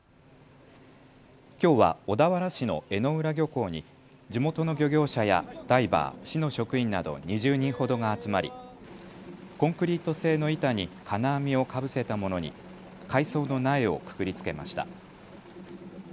きょうは小田原市の江之浦漁港に地元の漁業者やダイバー、市の職員など２０人ほどが集まりコンクリート製の板に金網をかぶせたものに海藻の苗をくくりつけました。